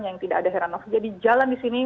yang tidak ada heranov jadi jalan di sini